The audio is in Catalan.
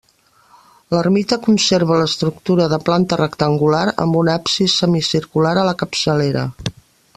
L'ermita conserva l'estructura de planta rectangular amb un absis semicircular a la capçalera.